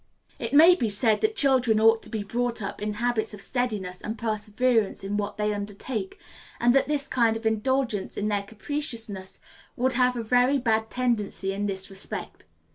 It may be said that children ought to be brought up in habits of steadiness and perseverance in what they undertake, and that this kind of indulgence in their capriciousness would have a very bad tendency in this respect.